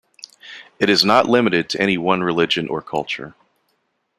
It is not limited to any one religion or culture.